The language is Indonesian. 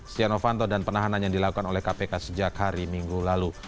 setia novanto dan penahanan yang dilakukan oleh kpk sejak hari minggu lalu